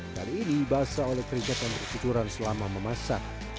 dan ini basah oleh keriket yang berkecukuran selama memasak